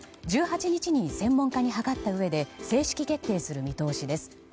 １８日に専門家にはかったうえで正式決定する見通しです。